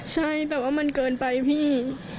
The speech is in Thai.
ใช่แบบว่ามันเกินไปพี่